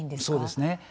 そうですね。